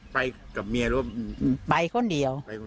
ไปกับเมียร่วมไปคนเดียว